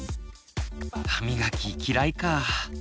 歯みがき嫌いか。